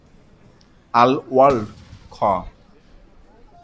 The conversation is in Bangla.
আল-ওয়াল্ড খ।